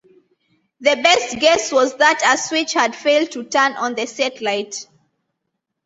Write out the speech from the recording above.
The best guess was that a switch had failed to turn on the satellite.